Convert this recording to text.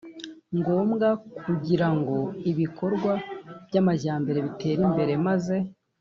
ngombwa kugira ngo ibikorwa by'amajyambere bitere imbere, maze